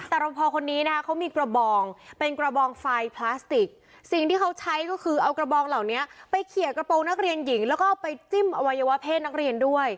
แต่เราพอคนนี้นะคะเขามีกระบองเป็นกระบองไฟพลาสติกสิ่งที่เขาใช้ก็คือเอากระบองเหล่านี้ไปเขียกระโปรงนักเรียนหญิงแล้วก็เอาไปจิ้มอวัยวะเพศนักเรียนด้วย